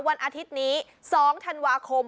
วันอาทิตย์นี้๒ธันวาคม